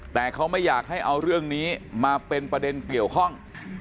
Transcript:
แต่เขาไม่อยากให้เอาเรื่องนี้มาเป็นประเด็นเกี่ยวข้อง